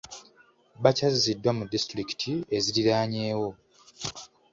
Bakyaziddwa mu disitulikiti eziriraanyeewo.